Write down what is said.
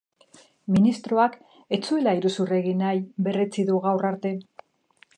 Ministroak ez zuela iruzur egin nahi berretsi du gaur arte.